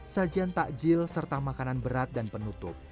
sajian takjil serta makanan berat dan penutup